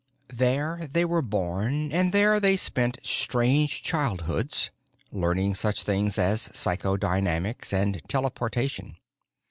There they were born, and there they spent strange childhoods, learning such things as psychodynamics and teleportation.